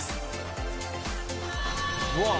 「うわ！」